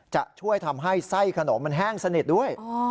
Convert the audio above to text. จะช่วยทำให้ไส้ขนมมันแห้งสนิทด้วย